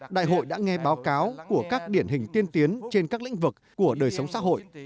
đại hội đã nghe báo cáo của các điển hình tiên tiến trên các lĩnh vực của đời sống xã hội